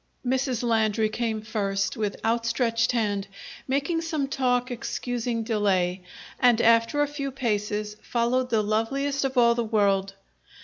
Mrs. Landry came first, with outstretched hand, making some talk excusing delay; and, after a few paces, followed the loveliest of all the world.